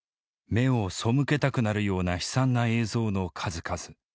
目を背けたくなるような悲惨な映像の数々。